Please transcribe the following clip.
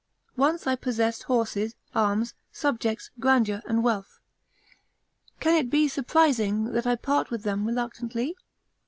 Once I possessed horses, arms, subjects, grandeur and wealth: can it be surprising that I part with them reluctantly?